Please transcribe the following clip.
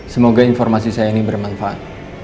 semoga informasi saya ini bermanfaat